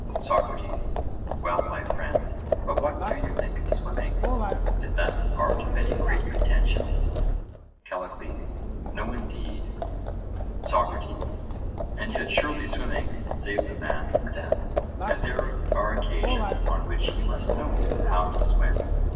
SOCRATES: Well, my friend, but what do you think of swimming; is that an art of any great pretensions? CALLICLES: No, indeed. SOCRATES: And yet surely swimming saves a man from death, and there are occasions on which he must know how to swim.